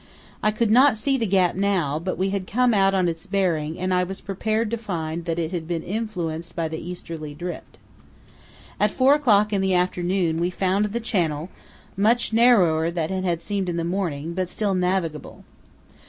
I could not see the gap now, but we had come out on its bearing and I was prepared to find that it had been influenced by the easterly drift. At four o'clock in the afternoon we found the channel, much narrower than it had seemed in the morning but still navigable.